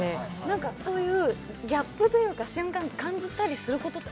そういうギャップというか瞬間、感じたりしますか？